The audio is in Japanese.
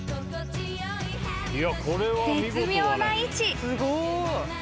［絶妙な位置］